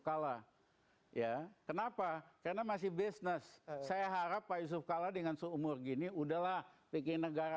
kalah ya kenapa karena masih bisnis saya harap pak yusuf kalla dengan seumur gini udahlah bikin negara